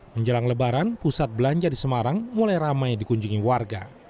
menjelang lebaran pusat belanja di semarang mulai ramai dikunjungi warga